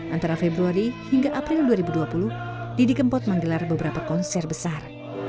antara februari hingga april dua ribu dua puluh didi kempot menggelar beberapa konser besar